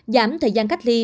giảm thời gian cách ly